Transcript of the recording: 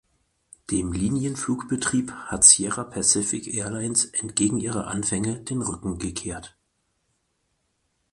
Dem Linienflugbetrieb hat Sierra Pacific Airlines entgegen ihrer Anfänge den Rücken gekehrt.